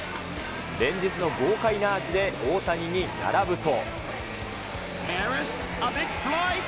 連日の豪快なアーチで、大谷に並ぶと。